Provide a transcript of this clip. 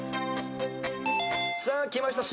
さあきました。